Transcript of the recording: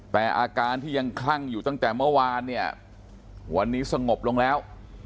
แต่อาการที่ยังคลั่งอยู่ตั้งแต่เมื่อวานเนี่ยวันนี้สงบลงแล้ว